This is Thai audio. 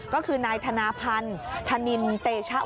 พยาบาลกระทุ่มแบนส่วนอีก๔คนที่ได้รับบาดเจ็บ